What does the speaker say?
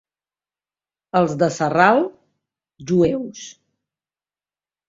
Els de Sarral, jueus.